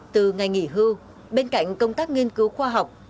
từ ngày nghỉ hưu bên cạnh công tác nghiên cứu khoa học